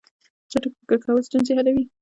چټک فکر کول ستونزې حلوي.